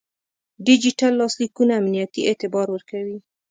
د ډیجیټل لاسلیکونه امنیتي اعتبار ورکوي.